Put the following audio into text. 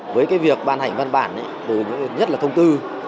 với cái việc ban hành văn bản nhất là thông tư